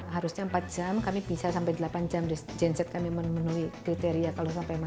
harusnya empat jam kami bisa sampai delapan jam di jenset kami memenuhi kriteria